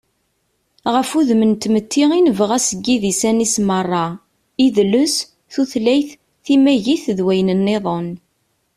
Ɣef wudem n tmetti i nebɣa seg yidisan-is meṛṛa: idles, tutlayt, timagit, d wayen-nniḍen.